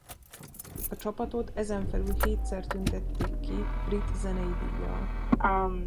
A csapatot ezen felül hétszer tüntették ki Brit zenei díjjal.